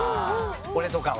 俺とかは。